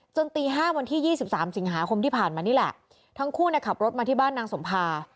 ตีห้าวันที่๒๓สิงหาคมที่ผ่านมานี่แหละทั้งคู่เนี่ยขับรถมาที่บ้านนางสมภา